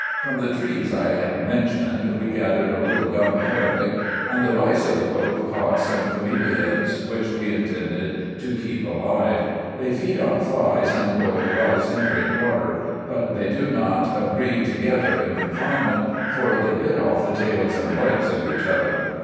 From the trees I have mentioned we gathered a little gum arabic ; and the Reis of the boat caught some cameleons, which we intended to keep alive. They feed on flies and boiled rice, and drink water ; but they do not agree together in confinement, for they bit off the IN EGYPT, NUBIA, &c. 75 tails and legs of each other.